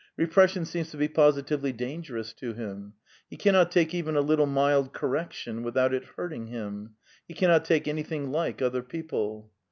Bepression seems to be positively dangerous to him. He cannot take even a little mild correction without it hurting hiuL He cannot take anything like other people.